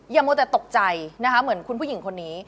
อย่าโมเตะตกใจเหมือนคุณผู้หญิงคนนี้